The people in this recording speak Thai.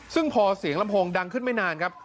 ซึ่งพอเสียงลำโพงดังขึ้นไม่นานครับ